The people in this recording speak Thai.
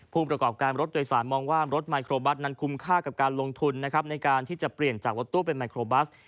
ผู้ประกอบการรถโดยสารมองว่ารถไมโครบัสนั้นคุ้มค่ากับการลงทุนนะครับในการที่จะเปลี่ยนจากรถตู้เป็นไมโครบัส